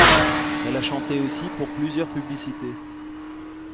Elle a chanté aussi pour plusieurs publicités.